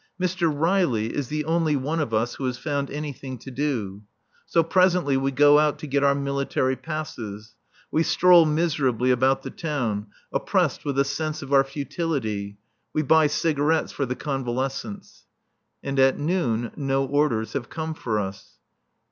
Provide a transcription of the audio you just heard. Mr. Riley is the only one of us who has found anything to do. So presently we go out to get our military passes. We stroll miserably about the town, oppressed with a sense of our futility. We buy cigarettes for the convalescents. And at noon no orders have come for us.